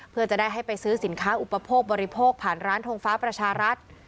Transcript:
เพื่อจะได้ให้ไปซื้อสินค้าอุปโภคบริโภคผ่านร้านทงฟ้าประชารัฐ